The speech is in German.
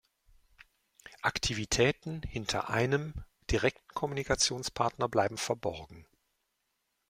Aktivitäten hinter einem direkten Kommunikationspartner bleiben verborgen.